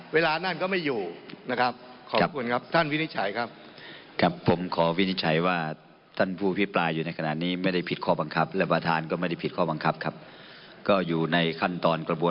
เวลานั้นก็ไม่อยู่นะครับ